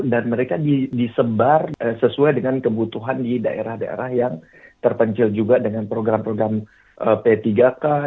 dan mereka disebar sesuai dengan kebutuhan di daerah daerah yang terpencil juga dengan program program p tiga k